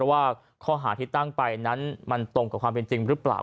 ว่าข้อหาที่ตั้งไปนั้นมันตรงกับความเป็นจริงหรือเปล่า